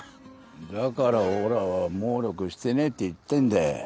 だからおらはもうろくしてねえって言ってんだよ。